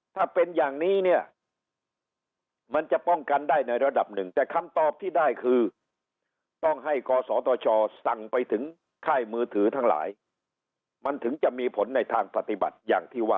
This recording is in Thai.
ถ้าเป็นอย่างนี้เนี่ย